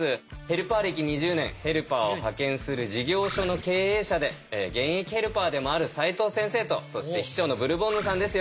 ヘルパー歴２０年ヘルパーを派遣する事業所の経営者で現役ヘルパーでもある齋藤先生とそして秘書のブルボンヌさんです。